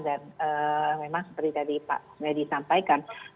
dan memang seperti tadi pak nedi sampaikan